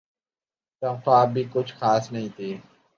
تنخواہ بھی کچھ خاص نہیں تھی ۔